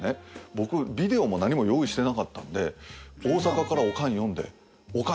僕ビデオも何も用意してなかったんで大阪からオカン呼んでオカン